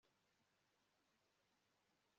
abantu babarirwa mu bihumbi bazize inzara